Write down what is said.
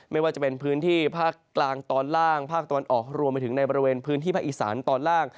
ไม่ว่าจะเป็นพื้นที่ภาคกลางตอนล่างภาคตะวันออกรวมไปถึงในบริเวณพื้นที่ภาคอีสานตอนล่าง